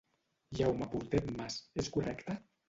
Jaume Portet Mas, és correcte?